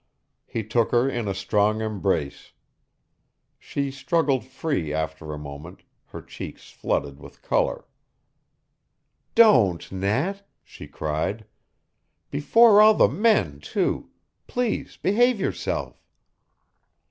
He took her in a strong embrace. She struggled free after a moment, her cheeks flooded with color. "Don't, Nat!" she cried. "Before all the men, too! Please behave yourself!"